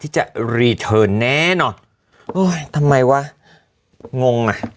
เจนอ๋อทำไมว่างงอ่ะ